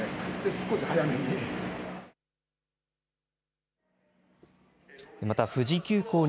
少し早めに。